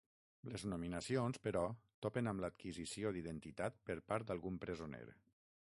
Les nominacions, però, topen amb l'adquisició d'identitat per part d'algun presoner.